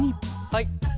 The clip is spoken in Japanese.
はい。